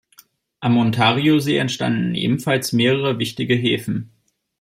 Am Ontario-See entstanden ebenfalls mehrere wichtige Häfen.